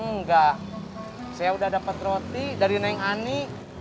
nggak saya udah dapet roti dari neng ani